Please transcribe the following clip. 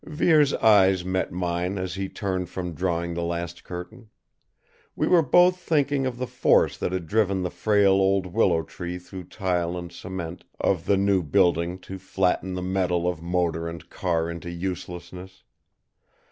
Vere's eyes met mine as he turned from drawing the last curtain. We were both thinking of the force that had driven the frail old willow tree through tile and cement of the new building to flatten the metal of motor and car into uselessness.